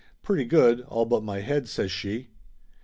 "Pretty good, all but my head !" says she.